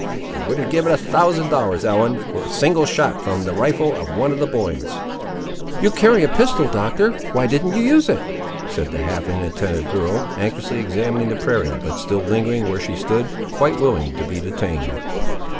I would have given a thousand dollars, Ellen, for a single shot from the rifle of one of the boys!" "You carry a pistol, Doctor, why didn't you use it?" said the half inattentive girl, anxiously examining the prairie, but still lingering where she stood, quite willing to be detained.